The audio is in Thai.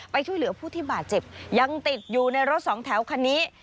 ช่วยเหลือผู้ที่บาดเจ็บยังติดอยู่ในรถสองแถวคันนี้